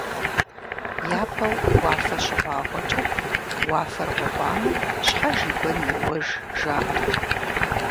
Япэу уафэ щыгъуагъуэкӀэ, «Уафэр гъуагъуэмэ, щхьэж и гуэн йоуэж» жаӀэрт.